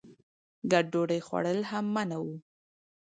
ګډ ډوډۍ خوړل هم منع وو.